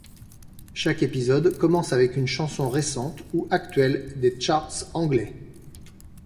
Chaque épisode commence avec une chanson récente ou actuelle des charts anglais.